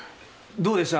どうでした？